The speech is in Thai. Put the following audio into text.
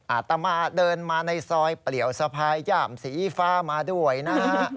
อาตมาเดินมาในซอยเปลี่ยวสะพายย่ามสีฟ้ามาด้วยนะฮะ